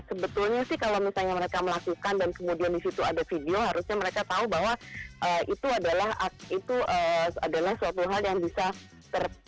sebetulnya sih kalau misalnya mereka melakukan dan kemudian disitu ada video harusnya mereka tahu bahwa itu adalah suatu hal yang bisa ter